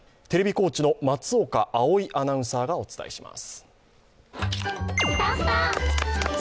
高知の松岡葵アナウンサーがお伝えします。